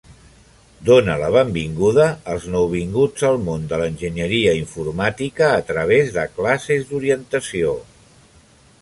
Dona la benvinguda als nouvinguts al món de l'enginyeria informàtica a través de classes d'orientació.